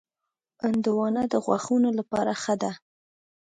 هندوانه د غاښونو لپاره ښه ده.